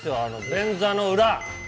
便座の裏。